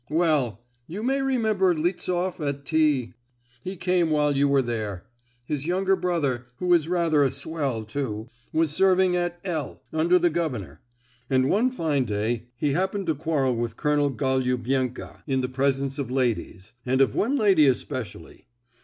Well! you may remember Liftsoff at T——. He came while you were there. His younger brother—who is rather a swell, too—was serving at L—— under the governor, and one fine day he happened to quarrel with Colonel Golubenko in the presence of ladies, and of one lady especially.